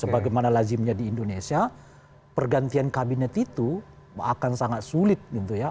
sebagaimana lazimnya di indonesia pergantian kabinet itu akan sangat sulit gitu ya